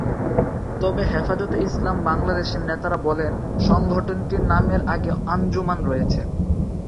তবে হেফাজতে ইসলাম বাংলাদেশের নেতারা বলেন, সংগঠনটির নামের আগে আঞ্জুমান রয়েছে।